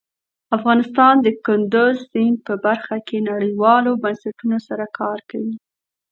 افغانستان د کندز سیند په برخه کې نړیوالو بنسټونو سره کار کوي.